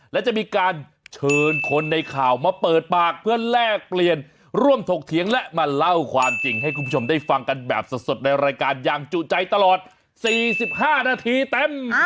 และจะมีการเชิญคนในข่าวมาเปิดปากเพื่อแลกเปลี่ยนร่วมถกเถียงและมาเล่าความจริงให้คุณผู้ชมได้ฟังกันแบบสดในรายการอย่างจุใจตลอด๔๕นาทีเต็ม